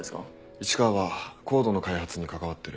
市川はＣＯＤＥの開発に関わってる。